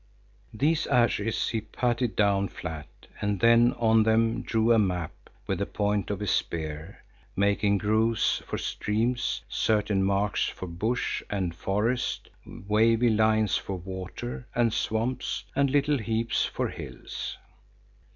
These ashes he patted down flat and then on them drew a map with the point of his spear, making grooves for streams, certain marks for bush and forest, wavy lines for water and swamps and little heaps for hills.